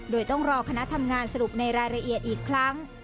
โดยต้องรอคณะทำงานสรุปในรายละเอียดอีกครั้ง